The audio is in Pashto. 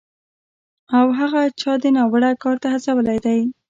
او هغه چا دې ناوړه کار ته هڅولی دی